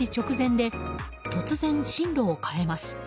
出口直前で突然、進路を変えます。